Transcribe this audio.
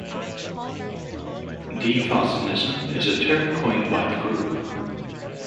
"Defastenism" is a term coined by the group.